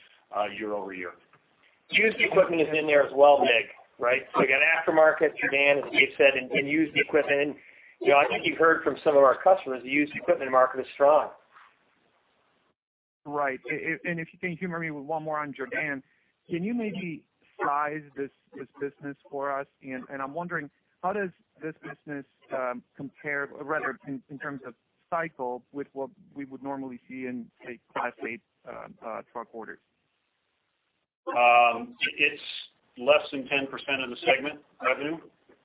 year over year. Used equipment is in there as well, Mig, right? So you got aftermarket, Jerr-Dan, as Dave said, and used equipment. You know, I think you've heard from some of our customers, the used equipment market is strong. Right. And if you can humor me with one more on Jerr-Dan, can you maybe size this, this business for us? And I'm wondering, how does this business compare, rather in terms of cycle, with what we would normally see in, say, Class 8 truck orders? It's less than 10% of the segment revenue.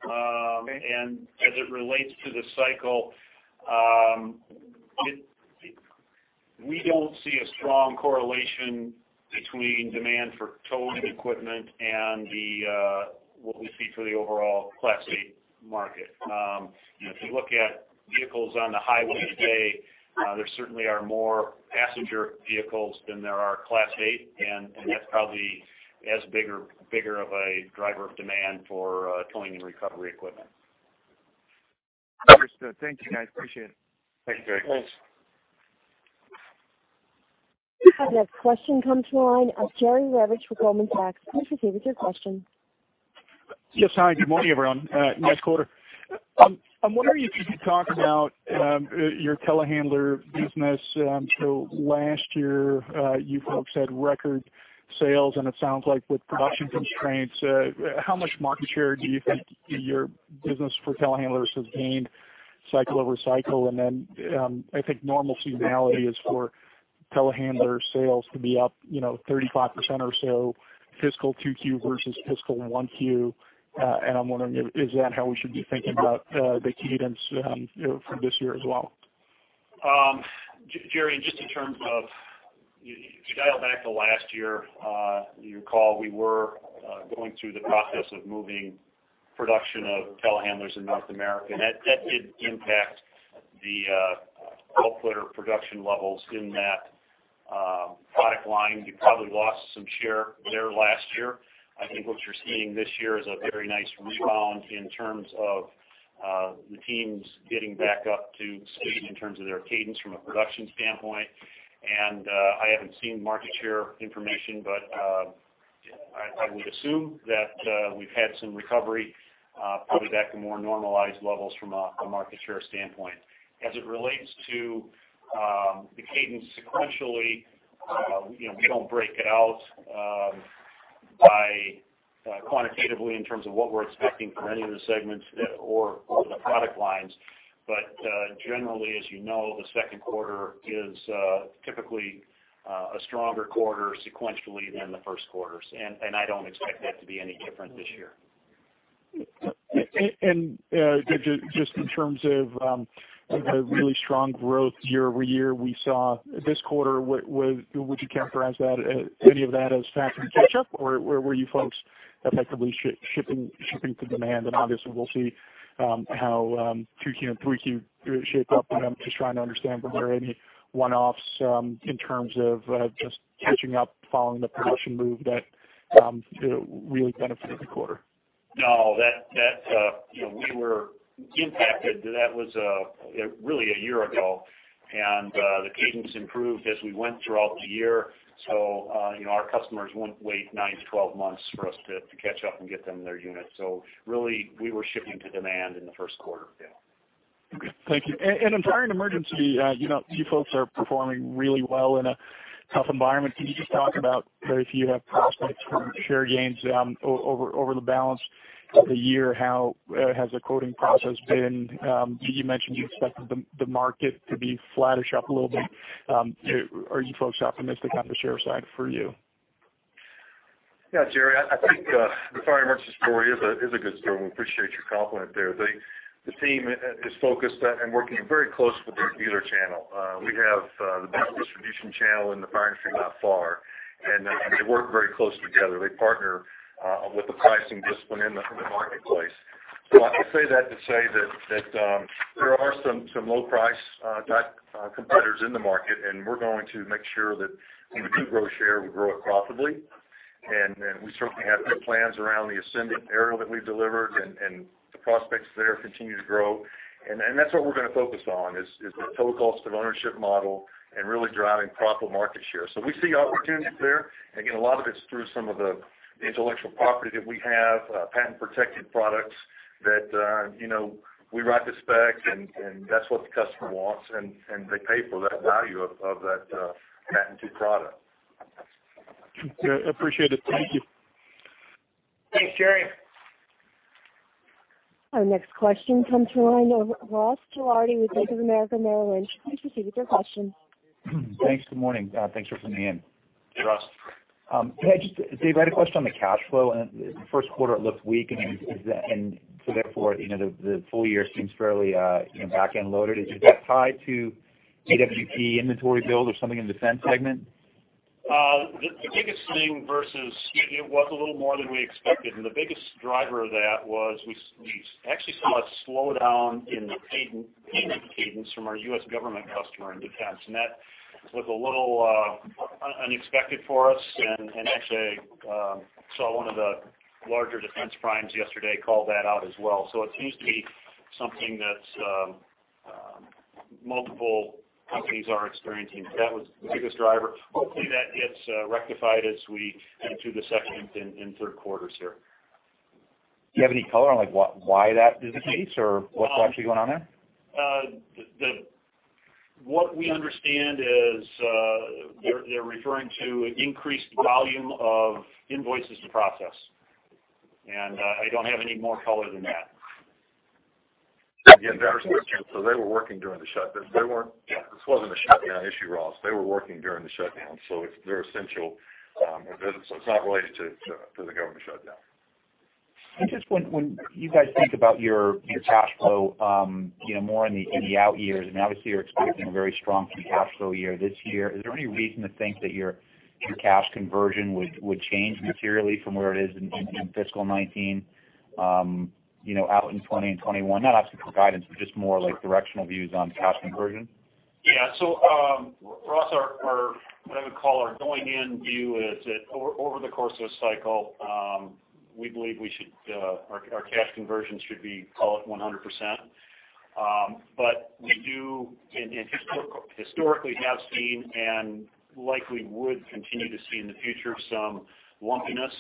Okay. And as it relates to the cycle, we don't see a strong correlation between demand for towing equipment and the what we see for the overall Class 8 market. You know, if you look at vehicles on the highway today, there certainly are more passenger vehicles than there are Class 8, and that's probably as big or bigger of a driver of demand for towing and recovery equipment. Understood. Thank you, guys. Appreciate it. Thank you, Mig. Thanks. We have a question come to the line of Jerry Revich with Goldman Sachs. Please proceed with your question. Yes. Hi, good morning, everyone. Nice quarter. I'm wondering if you could talk about your telehandler business. So last year, you folks had record sales, and it sounds like with production constraints, how much market share do you think your business for telehandlers has gained cycle over cycle? And then, I think normal seasonality is for telehandler sales to be up, you know, 35% or so, fiscal 2Q versus fiscal 1Q. And I'm wondering, is that how we should be thinking about the cadence, you know, for this year as well? Jerry, just in terms of to dial back to last year, you recall, we were going through the process of moving production of telehandlers in North America, and that, that did impact the output or production levels in that product line. We probably lost some share there last year. I think what you're seeing this year is a very nice rebound in terms of the teams getting back up to speed in terms of their cadence from a production standpoint. And I haven't seen market share information, but I would assume that we've had some recovery, probably back to more normalized levels from a market share standpoint. As it relates to the cadence sequentially, you know, we don't break it out by quantitatively in terms of what we're expecting from any of the segments, or, or the product lines. But generally, as you know, the second quarter is typically a stronger quarter sequentially than the first quarters, and, and I don't expect that to be any different this year. And just in terms of the really strong growth year-over-year we saw this quarter, what would you characterize that, any of that as catching up? Or were you folks effectively shipping to demand? And obviously, we'll see how 2Q and 3Q shape up. But I'm just trying to understand, were there any one-offs in terms of just catching up following the production move that really benefited the quarter? No, that, you know, we were impacted. That was really a year ago, and the cadence improved as we went throughout the year. So, you know, our customers wouldn't wait nine to 12 months for us to catch up and get them their units. So really, we were shipping to demand in the first quarter. Yeah. Okay. Thank you. And in Fire & Emergency, you know, you folks are performing really well in a tough environment. Can you just talk about where you have prospects for share gains, over the balance of the year? How has the quoting process been? You mentioned you expected the market to be flattish up a little bit. Are you folks optimistic on the share side for you? Yeah, Jerry, I think the Fire & Emergency story is a good story. We appreciate your compliment there. The team is focused and working very close with the dealer channel. We have the best distribution channel in the fire industry by far, and they work very close together. They partner with the pricing discipline in the marketplace. So I say that to say that there are some low price competitors in the market, and we're going to make sure that when we do grow share, we grow it profitably. And we certainly have good plans around the Ascendant aerial that we've delivered, and the prospects there continue to grow. And that's what we're gonna focus on, is the total cost of ownership model and really driving profitable market share. So we see opportunities there. Again, a lot of it's through some of the intellectual property that we have, patent-protected products that, you know, we write the spec, and that's what the customer wants, and they pay for that value of that patented product. Okay, I appreciate it. Thank you. Thanks, Jerry. Our next question comes from the line of Ross Gilardi with Bank of America Merrill Lynch. Please proceed with your question. Thanks. Good morning. Thanks for fitting me in. Hey, Ross. Dave, I had a question on the cash flow. In the first quarter, it looked weak, and so therefore, you know, the full year seems fairly, you know, back-end loaded. Is that tied to AWP inventory build or something in the Defense segment? The biggest thing versus. It was a little more than we expected, and the biggest driver of that was we actually saw a slowdown in the payment cadence from our U.S. government customer in Defense. And that was a little unexpected for us, and actually saw one of the larger Defense primes yesterday call that out as well. So it seems to be something that multiple companies are experiencing. That was the biggest driver. Hopefully, that gets rectified as we get to the second and third quarters here. Do you have any color on, like, why that is the case or what's actually going on there? What we understand is, they're referring to increased volume of invoices to process, and I don't have any more color than that. Again, so they were working during the shutdown. They weren't. This wasn't a shutdown issue, Ross. They were working during the shutdown, so it's, they're essential. So it's not related to the government shutdown. Just when you guys think about your cash flow, you know, more in the out years, and obviously you're experiencing a very strong cash flow year this year, is there any reason to think that your cash conversion would change materially from where it is in fiscal 2019, you know, out in 2020 and 2021? Not asking for guidance, but just more like directional views on cash conversion. Yeah. So, Ross, what I would call our going-in view is that over the course of a cycle, we believe our cash conversion should be, call it 100%. But we do and historically have seen and likely would continue to see in the future, some lumpiness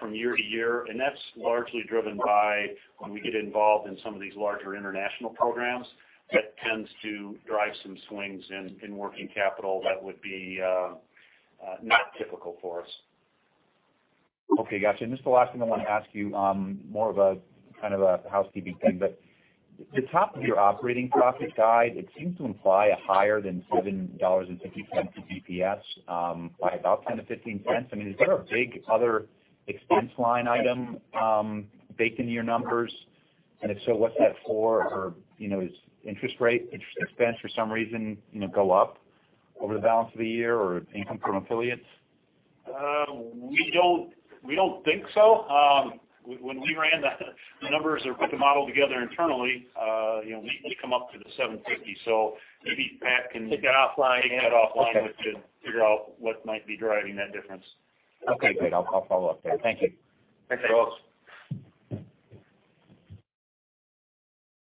from year to year, and that's largely driven by when we get involved in some of these larger international programs, that tends to drive some swings in working capital that would be not typical for us. Okay, gotcha. And just the last thing I want to ask you, more of a kind of a housekeeping thing, but the top of your operating profit guide, it seems to imply a higher than $7.50 EPS by about 10-15 cents. I mean, is there a big other expense line item baked in your numbers? And if so, what's that for? Or, you know, is interest expense for some reason go up over the balance of the year or income from affiliates? We don't think so. When we ran the numbers or put the model together internally, you know, we come up to the $7.50. So maybe Pat can. Take that offline. Take that offline with you. Okay. Figure out what might be driving that difference. Okay, great. I'll follow up there. Thank you. Thanks, Ross.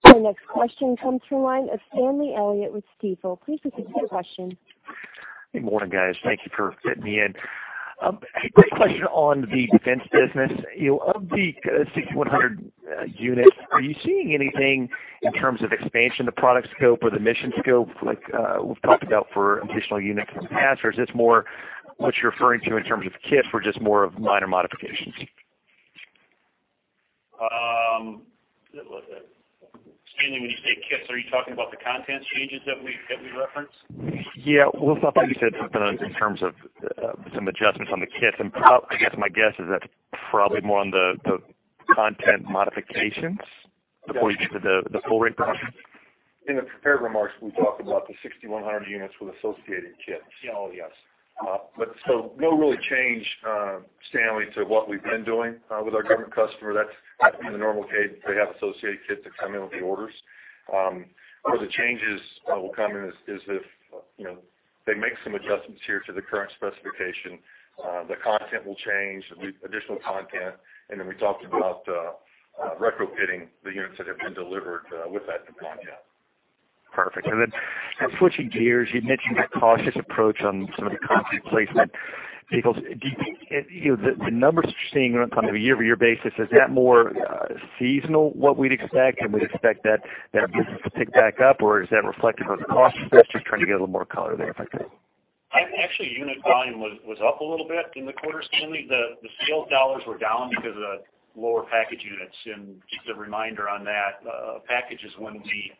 Our next question comes from the line of Stanley Elliott with Stifel. Please proceed with your question. Good morning, guys. Thank you for fitting me in. Quick question on the Defense business. You know, of the 6,100 units, are you seeing anything in terms of expansion of product scope or the mission scope, like, we've talked about for additional units in the past? Or is this more what you're referring to in terms of kit or just more of minor modifications? What was that? Stanley, when you say kits, are you talking about the content changes that we, that we referenced? Yeah, well, I thought you said in terms of some adjustments on the kits, and I guess my guess is that's probably more on the content modifications before you get to the full rig portion. In the prepared remarks, we talked about the 6,100 units with associated kits. No real change, Stanley, to what we've been doing with our government customer. That's the normal case. They have associated kits that come in with the orders. Where the changes will come in is if, you know, they make some adjustments here to the current specification, the content will change with additional content, and then we talked about retrofitting the units that have been delivered with that new content. Perfect. And then switching gears, you'd mentioned that cautious approach on some of the concrete placement vehicles. Do you, you know, the numbers you're seeing on kind of a year-over-year basis, is that more, seasonal what we'd expect, and we'd expect that business to pick back up, or is that reflective of the cost? Just trying to get a little more color there, if I could. Actually, unit volume was up a little bit in the quarter, Stanley. The sales dollars were down because of the lower package units. And just a reminder on that, a package is when we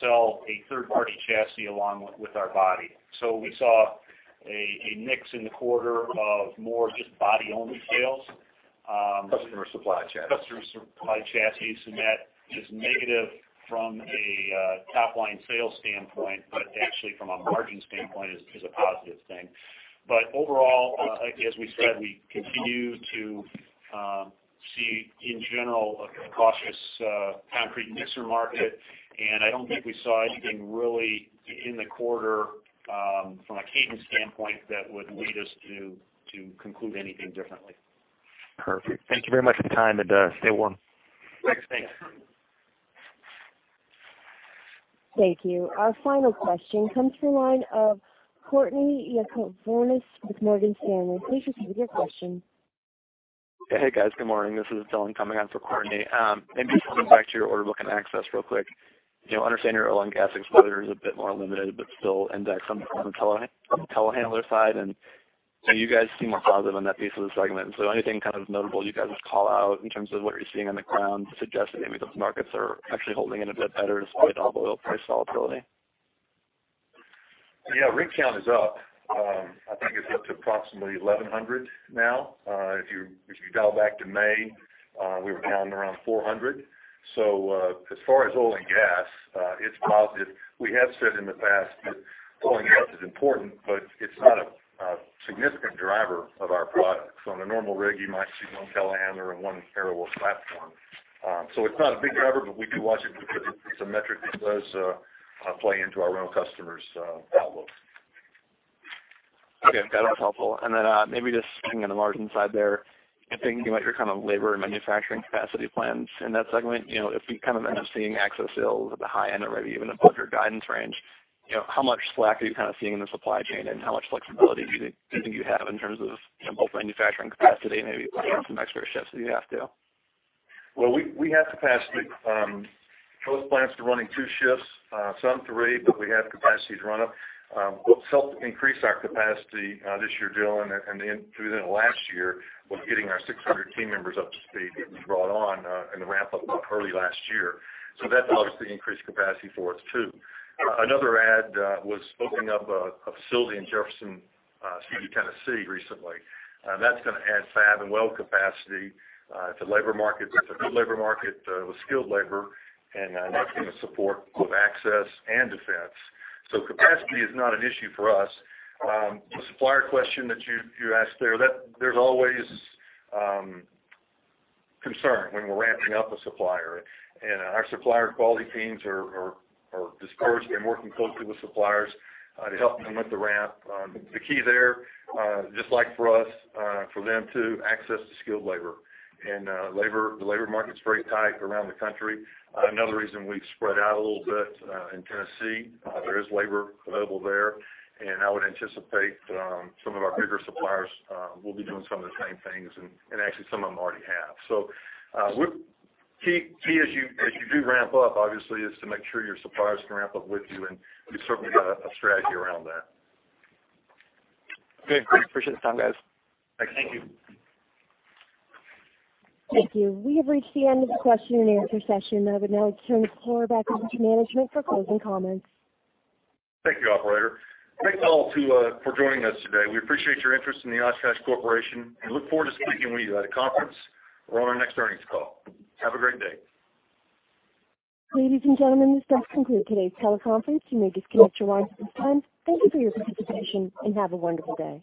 sell a third-party chassis along with our body. So we saw a mix in the quarter of more just body-only sales, Customer supplied chassis. Customer-supplied chassis, and that is negative from a top-line sales standpoint, but actually from a margin standpoint is a positive thing. But overall, as we said, we continue to see in general a cautious concrete mixer market, and I don't think we saw anything really in the quarter from a cadence standpoint that would lead us to conclude anything differently. Perfect. Thank you very much for the time, and, stay warm. Thanks. Thank you. Our final question comes from the line of Courtney Yakavonis with Morgan Stanley. Please proceed with your question. Hey, guys, good morning. This is Dylan coming on for Courtney. Maybe just going back to your order book and Access real quick. You know, I understand your oil and gas exposure is a bit more limited, but still index on the telehandler side, and so you guys seem more positive on that piece of the segment. So anything kind of notable you guys would call out in terms of what you're seeing on the ground to suggest that maybe those markets are actually holding in a bit better despite all the oil price volatility? Yeah, rig count is up. I think it's up to approximately 1,100 now. If you dial back to May, we were down around 400. So, as far as oil and gas, it's positive. We have said in the past that oil and gas is important, but it's not a significant driver of our products. On a normal rig, you might see one telehandler and one aerial work platform. So it's not a big driver, but we do watch it because it's a metric that does play into our rental customers' outlook. Okay, that's helpful. And then, maybe just sitting on the margin side there, thinking about your kind of labor and manufacturing capacity plans in that segment, you know, if we kind of end up seeing Access sales at the high end or even above your guidance range, you know, how much slack are you kind of seeing in the supply chain? And how much flexibility do you think you have in terms of, you know, both manufacturing capacity and maybe putting in some extra shifts if you have to? Well, we have capacity. Both plants are running two shifts, some three, but we have capacity to run up. What's helped increase our capacity this year, Dylan, and through the last year, was getting our 600 team members up to speed that was brought on in the ramp-up early last year. So that's obviously increased capacity for us, too. Another add was opening up a facility in Jefferson City, Tennessee, recently. That's going to add fab and weld capacity to labor markets. It's a good labor market with skilled labor, and that's going to support both Access and Defense. So capacity is not an issue for us. The supplier question that you asked there, that there's always concern when we're ramping up a supplier, and our supplier quality teams are discouraged and working closely with suppliers to help them with the ramp. The key there, just like for us, for them, too, Access to skilled labor. And labor, the labor market's very tight around the country. Another reason we've spread out a little bit in Tennessee. There is labor available there, and I would anticipate some of our bigger suppliers will be doing some of the same things, and actually some of them already have. So, key as you do ramp up, obviously, is to make sure your suppliers can ramp up with you, and we've certainly got a strategy around that. Great. Appreciate the time, guys. Thank you. Thank you. We have reached the end of the question and answer session. I would now turn the floor back over to management for closing comments. Thank you, operator. Thanks to all for joining us today. We appreciate your interest in the Oshkosh Corporation and look forward to speaking with you at a conference or on our next earnings call. Have a great day. Ladies and gentlemen, this does conclude today's teleconference. You may disconnect your lines at this time. Thank you for your participation, and have a wonderful day.